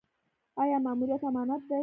آیا ماموریت امانت دی؟